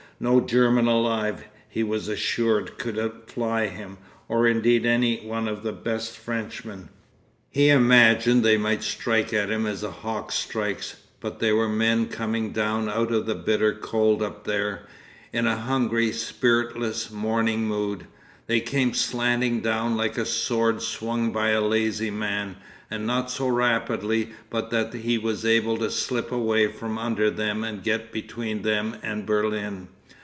No German alive, he was assured, could outfly him, or indeed any one of the best Frenchmen. He imagined they might strike at him as a hawk strikes, but they were men coming down out of the bitter cold up there, in a hungry, spiritless, morning mood; they came slanting down like a sword swung by a lazy man, and not so rapidly but that he was able to slip away from under them and get between them and Berlin.